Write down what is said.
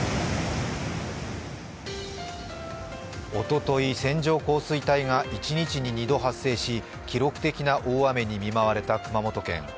おととい、線状降水帯が一日に２度発生し記録的な大雨に見舞われた熊本県。